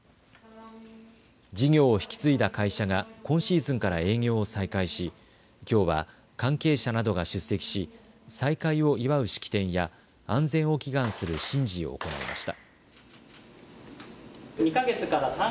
事業を引き継いだ会社が今シーズンから営業を再開しきょうは関係者などが出席し再開を祝う式典や安全を祈願する神事を行いました。